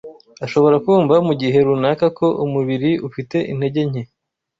ashobora kumva mu gihe runaka ko umubiri ufite intege nke